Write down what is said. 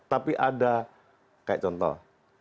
tapi ada kayak contoh